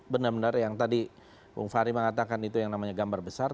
benar benar yang tadi bung fahri mengatakan itu yang namanya gambar besar